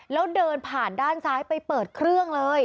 แล้วเดินผ่านด้านซ้ายไปเปิดเครื่องเลย